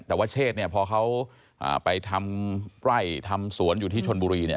แต่ว่าเชศเนี่ยพอเขาไปทำไร่ทำสวนอยู่ที่ชนบุรีเนี่ย